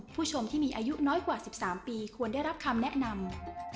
ผู้ชมที่มีอายุน้อยกว่า๑๓ปีควรได้รับคำแนะนำ